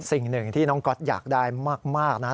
สิ่งหนึ่งที่น้องก๊อตอยากได้มากนะครับ